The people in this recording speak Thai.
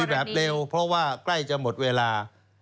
แบบเร็วเพราะว่าใกล้จะหมดเวลา